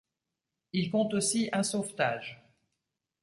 Il compte aussi un sauvetage.